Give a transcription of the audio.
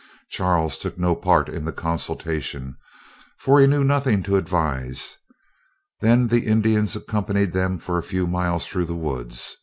Charles took no part in the consultation, for he knew nothing to advise. Then the Indians accompanied them for a few miles through the woods.